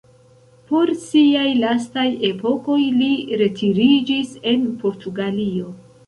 Por siaj lastaj epokoj li retiriĝis en Portugalio.